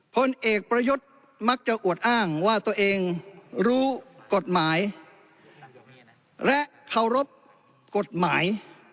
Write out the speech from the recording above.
พลเอกประยุทธ์มักจะอวดอ้างว่าตัวเองรู้กฎหมายและเคารพกฎหมาย